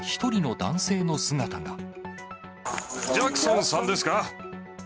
ジャクソンさんですか？